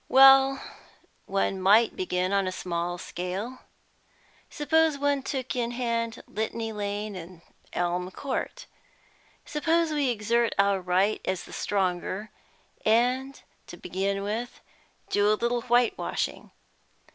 "Well, one might begin on a small scale. Suppose one took in hand Litany Lane and Elm Court? Suppose we exert our right as the stronger, and, to begin with, do a little whitewashing?